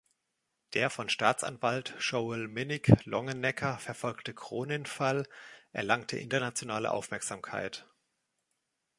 Der von Staatsanwalt Joel Minnick Longenecker verfolgte Cronin-Fall erlangte internationale Aufmerksamkeit.